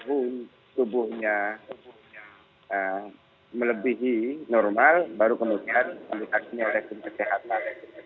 kemudian tubuhnya melebihi normal baru kemudian melihatnya resmi kesehatan